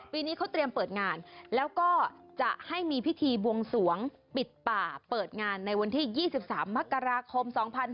ปีนี้เขาเตรียมเปิดงานแล้วก็จะให้มีพิธีบวงสวงปิดป่าเปิดงานในวันที่๒๓มกราคม๒๕๕๙